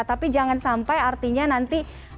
tapi jangan sampai artinya nanti